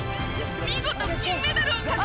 見事金メダルを獲得しました！